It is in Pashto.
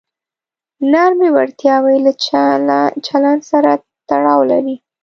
نرمې وړتیاوې له چلند سره تړاو لري.